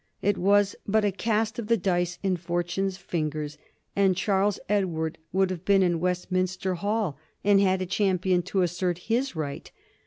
It was but a cast of the dice in Fortune's fingers, and Charles Edward would have been in Westminster Hall and had a champion to assert his right.